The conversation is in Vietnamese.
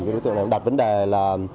đối tượng này đặt vấn đề là